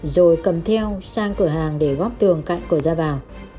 rồi cầm theo sang cửa hàng để góp tường cạnh cửa ra vào